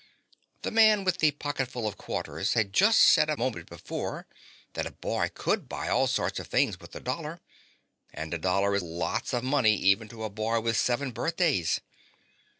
The Man with the Pocketful of Quarters had just said a moment before that a boy could buy all sorts of things with a dollar. And a dollar is lots of money even to a boy with seven birthdays!